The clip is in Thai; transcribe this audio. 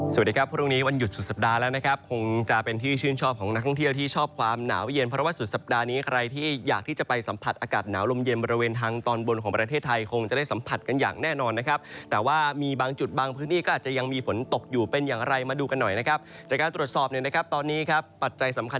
สวัสดีครับพรุ่งนี้วันหยุดสุดสัปดาห์แล้วนะครับคงจะเป็นที่ชื่นชอบของนักท่องเที่ยวที่ชอบความหนาวเย็นเพราะว่าสุดสัปดาห์นี้ใครที่อยากที่จะไปสัมผัสอากาศหนาวลมเย็นบริเวณทางตอนบนของประเทศไทยคงจะได้สัมผัสกันอย่างแน่นอนนะครับแต่ว่ามีบางจุดบางพื้นที่ก็อาจจะยังมีฝนตกอยู่เป็นอย่างไรมาดูกันหน่อยนะครับจากการตรวจสอบเนี่ยนะครับตอนนี้ครับปัจจัยสำคัญ